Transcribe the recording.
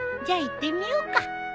じゃあ行ってみようか。